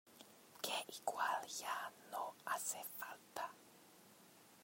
que igual ya no hace falta.